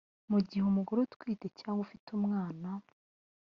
mu gihe umugore utwite cyangwa ufite umwana